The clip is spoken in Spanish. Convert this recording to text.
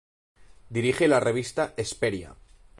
Dirige la revista "Hesperia.